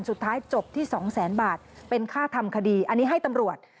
สุดท้ายจบที่สองแสนบาทเป็นค่าทำคดีอันนี้ให้ตำรวจ